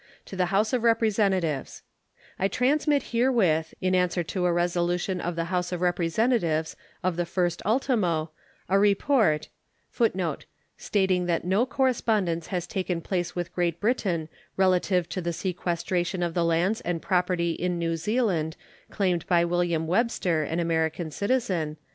To the House of Representatives: I transmit herewith, in answer to a resolution of the House of Representatives of the 1st ultimo, a report from the Secretary of State upon the subject. U.S. GRANT. [Footnote 110: Stating that no correspondence has taken place with Great Britain relative to the sequestration of the lands and property in New Zealand claimed by William Webster, an American citizen.